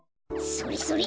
それそれ！